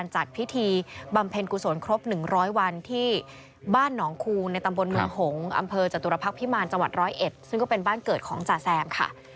จัตุรพักษ์พิมาณจังหวัดร้อย๑ซึ่งก็เป็นบ้านเกิดของจ่าแซมค่ะ